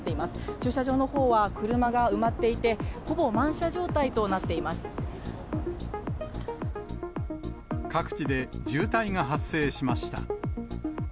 駐車場のほうは車が埋まっていて、各地で渋滞が発生しました。